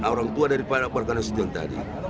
orang tua daripada perganasidion tadi